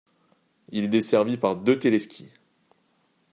Il est desservi par deux téléskis.